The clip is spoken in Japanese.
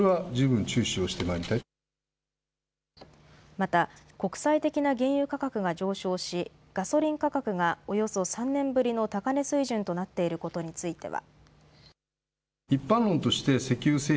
また、国際的な原油価格が上昇しガソリン価格がおよそ３年ぶりの高値水準となっていることについては。